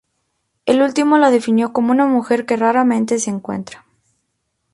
Este último la definió como "una mujer que raramente se encuentra".